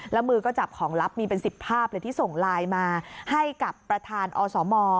แล้วมือก็จับของลับมีเป็น๑๐ภาพเลยที่ส่งไลน์มาให้กับประธานอสม